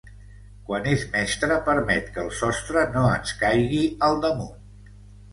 Quan és mestra permet que el sostre no ens caigui al damunt.